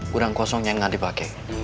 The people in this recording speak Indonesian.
gurang kosong yang gak dipake